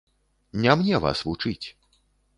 Не мне вас вучыць.